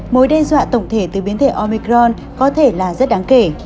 mối đe dọa tổng thể từ biến thể omicron có thể là rất đáng kể